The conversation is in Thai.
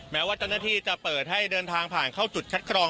แม้ว่าเจ้าหน้าที่จะเปิดให้เดินทางผ่านเข้าจุดคัดกรอง